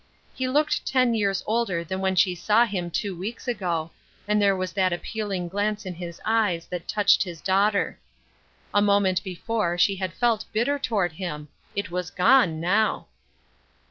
He looked ten years older than when she saw him two weeks ago, and there waj« that appeaKng glance in his eyes that touched his daughter. A moment before she had felt bitter toward him. It was gone now.